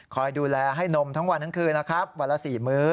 คอยดูแลให้นมทั้งวันทั้งคืนวันละสี่มื้อ